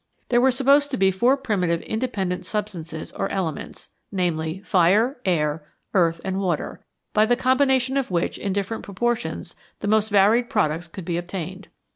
There were supposed to be four primitive inde pendent substances or elements, namely, fire, air, earth, and water, by the combination of which in different pro portions the most varied products could be obtained.